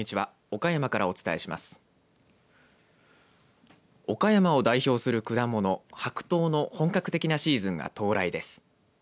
岡山を代表する果物、白桃の本格的なシーズンが到来です。